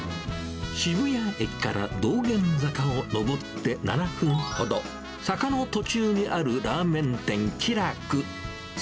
渋谷駅から道玄坂を上って７分ほど、坂の途中にあるラーメン店、喜楽。